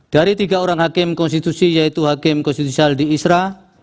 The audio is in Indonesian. dari tiga orang hakim konstitusi yaitu hakim konstitusial di isra